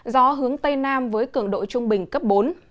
gió hướng tây nam với cường độ trung bình cấp bốn